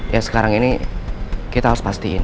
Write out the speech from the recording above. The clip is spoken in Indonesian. ya sekarang ini kita harus pastiin